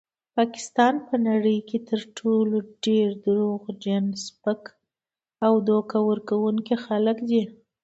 پاکستانیان په نړۍ کې تر ټولو ډیر دروغجن، سپک او دوکه ورکونکي خلک دي.